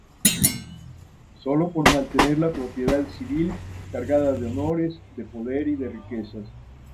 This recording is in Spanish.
Sólo por mantener la propiedad civil, cargada de honores, de poder y de riquezas.